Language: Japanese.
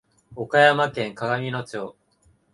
岡山県鏡野町